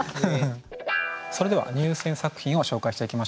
それでは入選作品を紹介していきましょう。